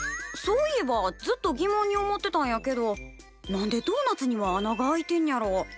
そういえばずっと疑問に思ってたんやけど何でドーナツには穴が開いてんねやろ？